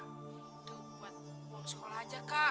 betul kak itu buat uang sekolah aja kak